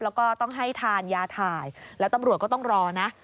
แล้วก็ต้องให้ทานยาถ่ายแล้วตำรวจก็ต้องรอนะ